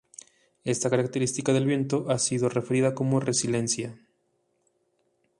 Esta característica del viento ha sido referida como resiliencia.